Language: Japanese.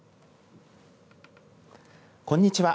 こんにちは。